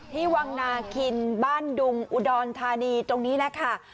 ที่วางนากิณบ้านดุงอุดอลธานีตรงนี้น่ะค่ะ